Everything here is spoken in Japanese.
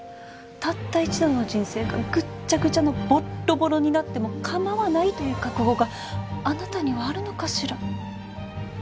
たった一度の人生がぐっちゃぐちゃのボッロボロになっても構わないという覚悟があなたにはあるのかしら？